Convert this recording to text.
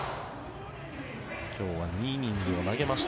今日は２イニングを投げました